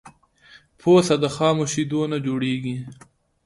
پوڅه د خامو شیدونه جوړیږی.